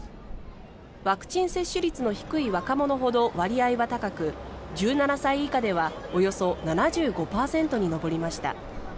ワクチン接種率の低い若者ほど割合は高く１７歳以下ではおよそ７５％に上りました。